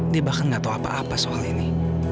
dia bahkan gak tahu apa apa soal ini